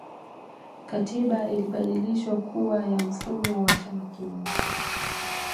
katiba ilibadilishwa kuwa ya mfumo wa chama kimoja